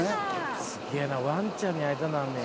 すげぇなわんちゃんに会いたなんねや。